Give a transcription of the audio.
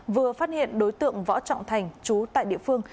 vừa phát hiện đối tượng võ trọng thành chú tại địa phương